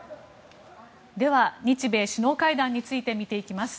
では、日米首脳会談について見ていきます。